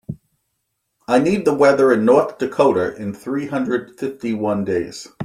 I need the weather in North Dakota in three hundred fifty one days